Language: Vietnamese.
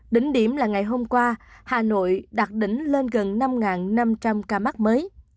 đến điểm là ngày hôm qua hà nội đạt đỉnh lên gần năm năm trăm linh ca mắc mới